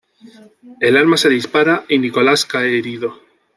El arma se dispara y Nicolás cae herido.